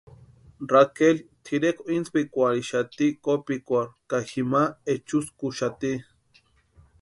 Raqueli tʼirekwa intsïpikwarhixati kopikwarhu ka jima echuskuxati.